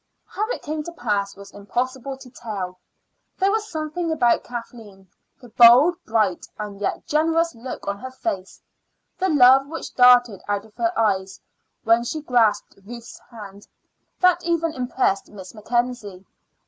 How it came to pass it was impossible to tell. There was something about Kathleen the bold, bright, and yet generous look on her face, the love which darted out of her eyes when she grasped Ruth's hand that even impressed Miss Mackenzie.